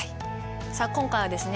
さあ今回はですね